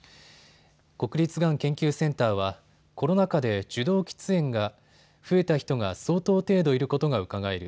国立がん研究センターはコロナ禍で受動喫煙が増えた人が相当程度いることがうかがえる。